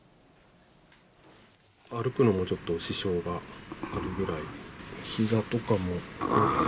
歩くのもちょっと支障があるぐらい。